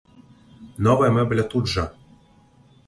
Новая мэбля тут жа.